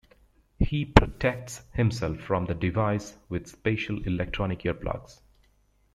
He protects himself from the device with special electronic earplugs.